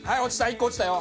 １個落ちたよ！